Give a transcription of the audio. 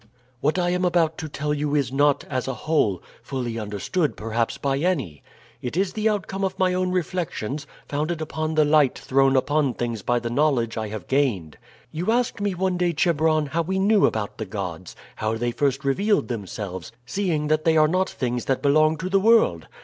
"What I am about to tell you is not, as a whole, fully understood perhaps by any. It is the outcome of my own reflections, founded upon the light thrown upon things by the knowledge I have gained. You asked me one day, Chebron, how we knew about the gods how they first revealed themselves, seeing that they are not things that belong to the world?